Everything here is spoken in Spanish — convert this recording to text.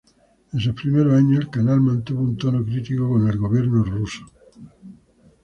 En sus primeros años, el canal mantuvo un tono crítico con el Gobierno ruso.